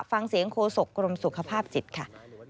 ฟังเสียงโฆษกรมสุขภาพจิตค่ะ